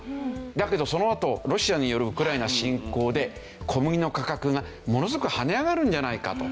だけどそのあとロシアによるウクライナ侵攻で小麦の価格がものすごく跳ね上がるんじゃないかと。